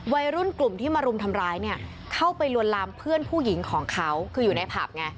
วัยรุ่นกลุ่มที่มารุมทำร้ายเนี่ยเข้าไปลวนลามเพื่อนผู้หญิงของเขาคืออยู่ในผับไง